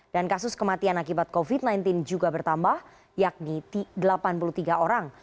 dan kasus kematian akibat covid sembilan belas juga bertambah yakni delapan puluh tiga orang